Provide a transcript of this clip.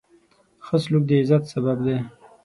ښه سلوک د عزت سبب دی.